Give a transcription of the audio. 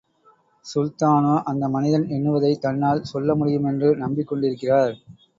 சுல்தானோ, அந்த மனிதன் எண்ணுவதைத் தன்னால் சொல்ல முடியுமென்று நம்பிக் கொண்டிருக்கிறார்.